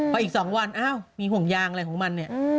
พออีกสองวันเอ้ามีห่วงยางคืออะไรของมันนี่